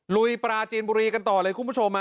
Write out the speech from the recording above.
ลุยปราจีนบุรีกันต่อเลยคุณผู้ชม